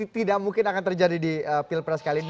tidak mungkin akan terjadi di pilpres kali ini